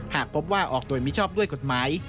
หากพบว่าออกโดยมิชอบด้วยกฎหมาย